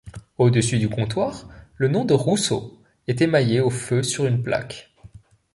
Au-dessus du comptoir, le nom de Rousseau est émaillé au feu sur une plaque.